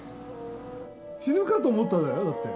死ぬかと思ったんだよだって。